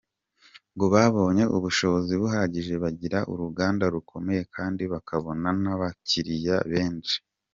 Ngo babonye ubushobozi buhagije bagira uruganda rukomeye kandi bakabona n’abakiriya benshi.